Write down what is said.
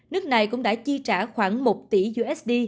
nước này cũng đã chi trả khoảng một tỷ usd